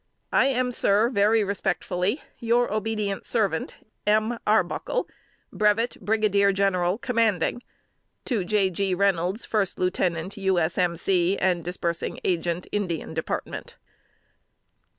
"I am, Sir, very respectfully, Your obedient servant, M. ARBUCKLE, Brevet Brigadier General, Commanding. J. G. REYNOLDS, 1st Lieut. U. S. M. C., and Disb'g Agent, Ind. Dept."